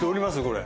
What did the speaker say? これ。